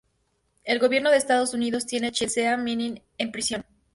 El gobierno de Estados Unidos tiene a Chelsea Manning en prisión.